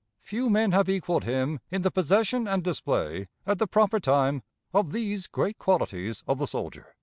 Few men have equaled him in the possession and display, at the proper time, of these great qualities of the soldier."